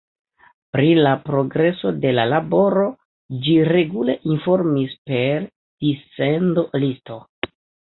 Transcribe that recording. Pri la progreso de la laboro ĝi regule informis per dissendo-listo.